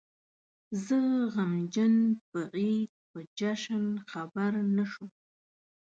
زه غمجن په عيد په جشن خبر نه شوم